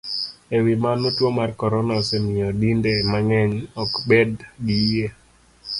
E wi mano, tuo mar corona osemiyo dinde mang'eny ok bed gi yie,